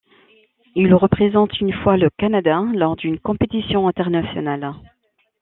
Il représente une fois le Canada lors d'une compétition internationale.